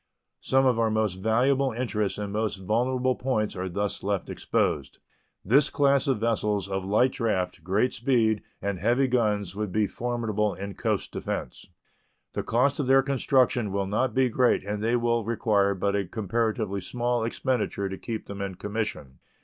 Some of our most valuable interests and most vulnerable points are thus left exposed. This class of vessels of light draft, great speed, and heavy guns would be formidable in coast defense. The cost of their construction will not be great and they will require but a comparatively small expenditure to keep them in commission.